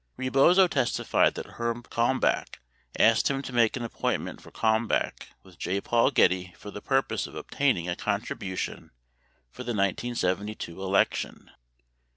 81 Rebozo testified that Herb Kalmbach asked him to make an appoint ment for Kalmbach with J. Paul Getty for the purpose of obtaining a contribution for the 1972 election.